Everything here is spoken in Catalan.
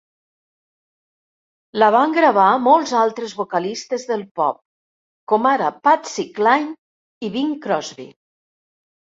La van gravar molts altres vocalistes del pop, com ara Patsy Cline i Bing Crosby.